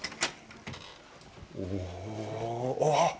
おぉ、おっ！